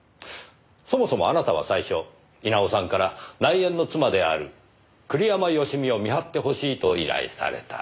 そもそもあなたは最初稲尾さんから内縁の妻である栗山佳美を見張ってほしいと依頼された。